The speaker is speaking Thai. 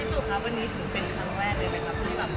ลูกค้าวันนี้ถึงเป็นครั้งแรกเลยไหมครับ